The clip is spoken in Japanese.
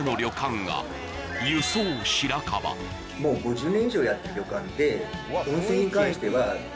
もう５０年以上やってる旅館で。